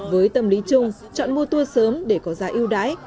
với tâm lý chung chọn mua tour sớm để có giá yêu đái